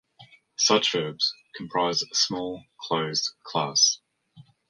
Such verbs comprise a small closed class.